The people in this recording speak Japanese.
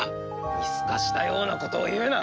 見透かしたようなことを言うな！